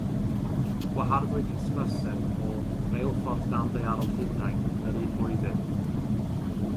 Gwaharddwyd hysbyseb o Reilffordd Danddaearol Llundain yn yr un flwyddyn.